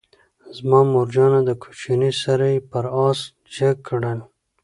زما مورجانه دکوچنی سره یې پر آس جګ کړل،